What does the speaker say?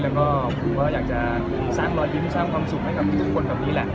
แล้วก็คือว่าอยากจะสร้างรอยยิ้มสร้างความสุขให้กับทุกคนแบบนี้แหละ